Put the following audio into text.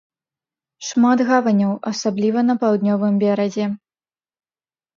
Шмат гаваняў, асабліва на паўднёвым беразе.